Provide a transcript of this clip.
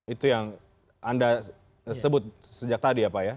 itu yang anda sebut sejak tadi ya pak ya